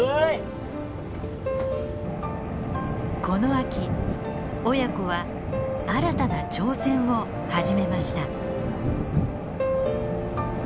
この秋親子は新たな挑戦を始めました。